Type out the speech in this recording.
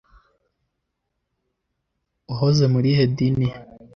wahoze mu rihe dini